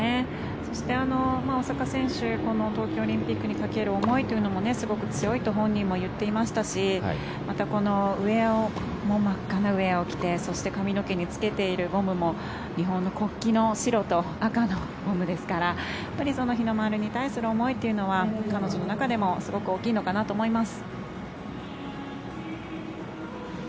そして、大坂選手この東京オリンピックにかける思いというのもすごく強いと本人も言っていましたしまた、この真っ赤なウェアを着てそして髪の毛につけているゴムも日本の国旗の白と赤のゴムですから日の丸に対する思いというのは彼女の中でもすごく大きいのかなと思います。